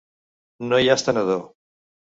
No hi ha estenedor.